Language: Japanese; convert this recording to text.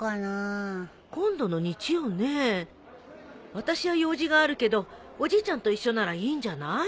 私は用事があるけどおじいちゃんと一緒ならいいんじゃない？